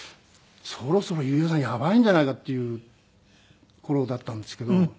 そろそろ裕也さんやばいんじゃないかっていう頃だったんですけど。